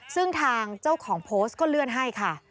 ซึ่งทางเจ้าของโพสต์ก็เลื่อนให้ค่ะ